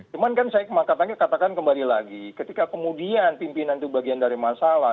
cuman kan saya katakan kembali lagi ketika kemudian pimpinan itu bagian dari masalah